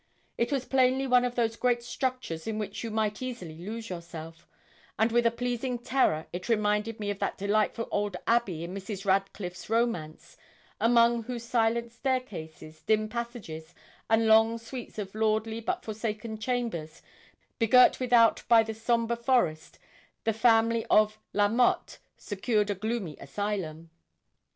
It was plainly one of those great structures in which you might easily lose yourself, and with a pleasing terror it reminded me of that delightful old abbey in Mrs. Radcliffe's romance, among whose silent staircases, dim passages, and long suites of lordly, but forsaken chambers, begirt without by the sombre forest, the family of La Mote secured a gloomy asylum.